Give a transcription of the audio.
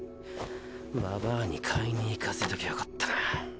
ババアに買いに行かせときゃよかったな。